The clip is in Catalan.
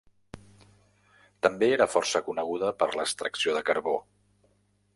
També era força coneguda per l'extracció de carbó.